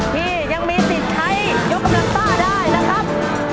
ที่ยังมีสิทธิ์ใช้ยกกำลังซ่าได้นะครับ